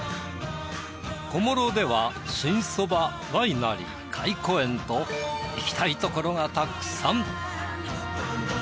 小諸では新そばワイナリー懐古園と行きたい所がたくさん！